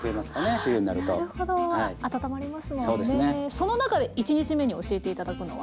その中で１日目に教えて頂くのは？